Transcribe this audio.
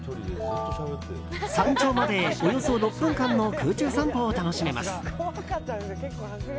山頂までおよそ６分間の空中散歩を楽しめます。